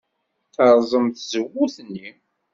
Terẓem tzewwut-nni.